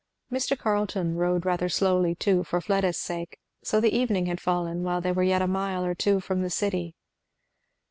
Mr. Carleton rode rather slowly too, for Fleda's sake, so the evening had fallen while they were yet a mile or two from the city.